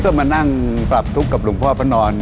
เรามานั่งปรับทุกข์กับลุงพ่อพันธ์นอน